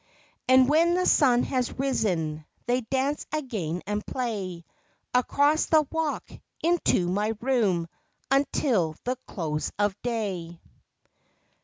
And when the sun has risen, They dance again and play, Across the walk Into my room Until the close of day.